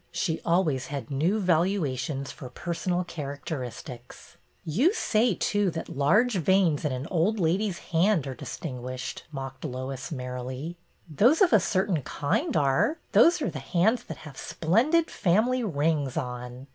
She always had new valuations for personal characteristics. You say, too, that large veins in an old lady's hand are ' distinguished,' " mocked Lois, merrily. '' Those of a certain kind are. Those are the hands that have splendid family rings on."